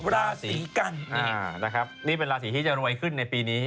ราศีกันนะครับนี่เป็นราศีที่จะรวยขึ้นในปีนี้